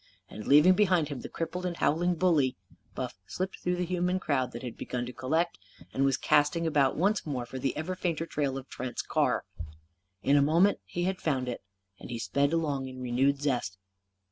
And, leaving behind him the crippled and howling bully, Buff slipped through the human crowd that had begun to collect; and was casting about once more for the ever fainter trail of Trent's car. In a moment he had found it. And he sped along in renewed zest.